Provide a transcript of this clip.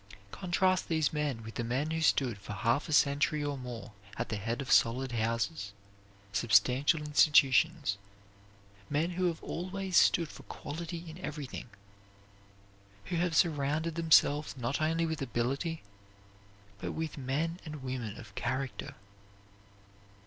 Contrast these men with the men who stood for half a century or more at the head of solid houses, substantial institutions; men who have always stood for quality in everything; who have surrounded themselves not only with ability but with men and women of character.